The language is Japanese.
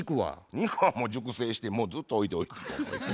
肉はもう熟成してもうずっと置いておいて。